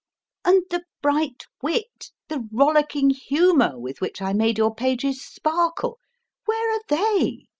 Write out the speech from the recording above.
1 And the bright wit, the rollicking humour with which I made your pages sparkle, where are they